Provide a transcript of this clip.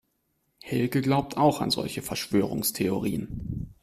Helge glaubt auch an solche Verschwörungstheorien.